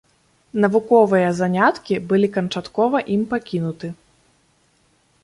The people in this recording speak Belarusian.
Навуковыя заняткі былі канчаткова ім пакінуты.